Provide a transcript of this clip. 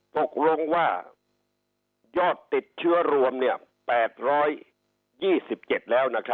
ตกลงว่ายอดติดเชื้อรวม๘๒๗แล้ว